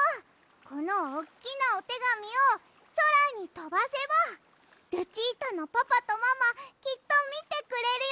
このおっきなおてがみをそらにとばせばルチータのパパとママきっとみてくれるよね。